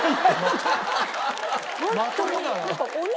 まともだよ。